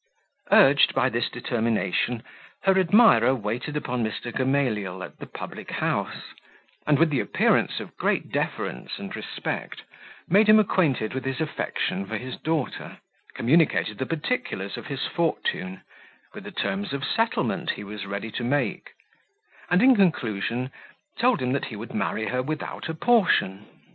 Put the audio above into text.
Urged by this determination, her admirer waited upon Mr. Gamaliel at the public house, and, with the appearance of great deference and respect, made him acquainted with his affection for his daughter, communicated the particulars of his fortune, with the terms of settlement he was ready to make; and in conclusion told him, that he would marry her without a portion.